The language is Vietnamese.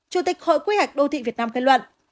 chủ tịch hội quy hạch đô thị việt nam khai luận